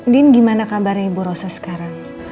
din gimana kabarnya ibu rosa sekarang